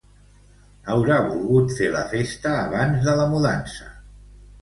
Haurà volgut fer la festa abans de la mudança.